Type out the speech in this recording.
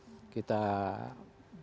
yang kita cool ya